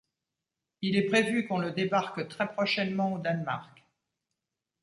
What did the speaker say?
Il est prévu qu'on le débarque très prochainement au Danemark.